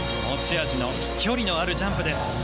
持ち味の距離のあるジャンプです。